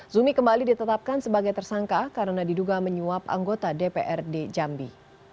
zumi kembali ditetapkan sebagai tersangka karena diduga menyuap anggota dprd jambi